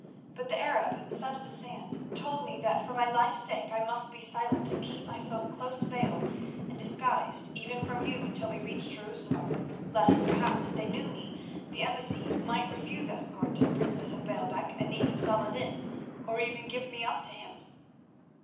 But the Arab, Son of the Sand, told me that for my life's sake I must be silent and keep myself close veiled and disguised even from you until we reached Jerusalem, lest perhaps if they knew me the embassy might refuse escort to the princess of Baalbec and niece of Saladin, or even give me up to him.